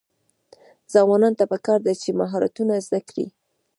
ځوانانو ته پکار ده چې، مهارتونه زده کړي.